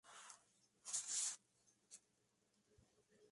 Escuchad. Hay un juguete bueno ahí abajo.